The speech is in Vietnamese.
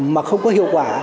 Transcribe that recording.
mà không có hiệu quả